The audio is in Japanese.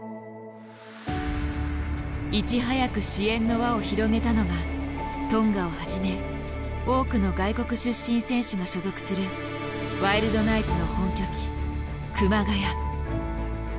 いち早く支援の輪を広げたのがトンガをはじめ多くの外国出身選手が所属するワイルドナイツの本拠地熊谷。